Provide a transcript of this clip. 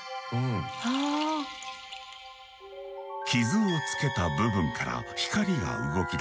傷をつけた部分から光が動き出し